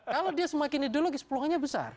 kalau dia semakin ideologis peluangnya besar